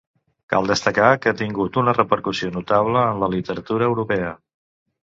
Cal destacar que ha tingut una repercussió notable en la literatura europea.